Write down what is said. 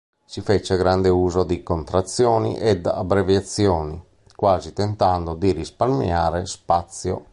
Si fece grande uso di contrazioni ed abbreviazioni, quasi tentando di risparmiare spazio.